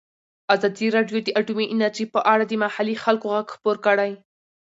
ازادي راډیو د اټومي انرژي په اړه د محلي خلکو غږ خپور کړی.